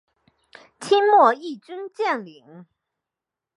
清末毅军将领。